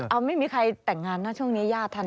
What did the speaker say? เอาไม่มีใครแต่งงานนะช่วงนี้ญาติทัน